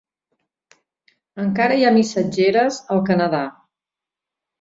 Encara hi ha missatgeres al Canadà.